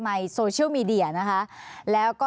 สวัสดีค่ะคุณผู้ชมค่ะสิ่งที่คาดว่าอาจจะเกิดขึ้นแล้วนะคะ